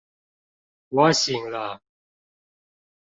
我醒了